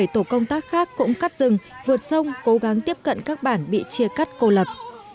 một mươi tổ công tác khác cũng cắt rừng vượt sông cố gắng tiếp cận các bản bị chia cắt cô lập